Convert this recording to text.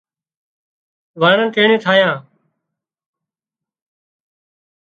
وڻ ٽڻ ٺاهيان